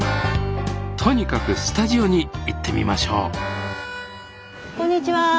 とにかくスタジオに行ってみましょうこんにちは。